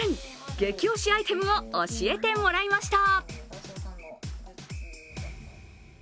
激推しアイテムを教えてもらいました。